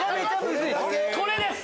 これです！